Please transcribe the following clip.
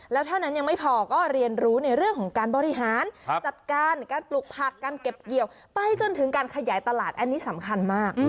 แล้วเท่านั้นยังไม่พอก็เรียนรู้ในเรื่องของการบริหารจัดการการปลูกผักการเก็บเกี่ยวไปจนถึงการขยายตลาดอันนี้สำคัญมาก